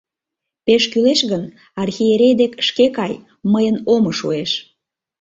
— Пеш кӱлеш гын, архиерей дек шке кай, мыйын омо шуэш.